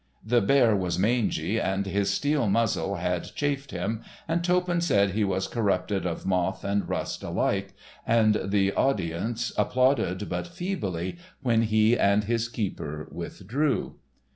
The bear was mangy, and his steel muzzle had chafed him, and Toppan said he was corrupted of moth and rust alike, and the audience applauded but feebly when he and his keeper withdrew.